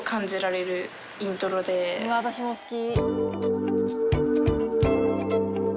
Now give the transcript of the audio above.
私も好き！